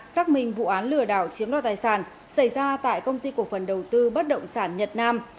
xác minh vụ án lừa đảo chiếm đoạt tài sản xảy ra tại công ty cổ phần đầu tư bất động sản nhật nam